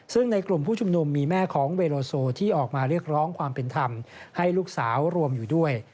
ซึ่งในกลุ่มผู้ชุมนุมมีแม่ของเบโลโซที่ออกมาเรียกร้องความเป็นธรรมให้ลูกสาวรวมอยู่ด้วย